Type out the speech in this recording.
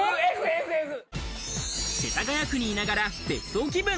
世田谷区にいながら別荘気分。